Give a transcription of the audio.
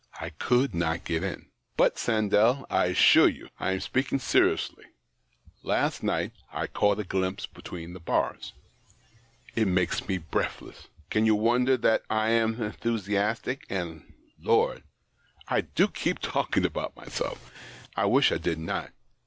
I could not get in. But, Sandell, I assure you — I am speaking seriously — last night I caught a glimpse between the bars. It makes me breathless. Can you w^onder that I am enthusiastic and — Lord ! I do keep talking about myself. I wish I did not.